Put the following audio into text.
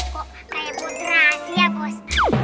kok kayak pun rahasia bos